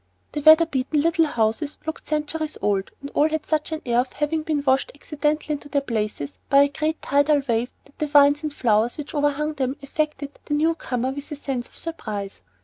The weather beaten little houses looked centuries old, and all had such an air of having been washed accidentally into their places by a great tidal wave that the vines and flowers which overhung them affected the new comer with a sense of surprise.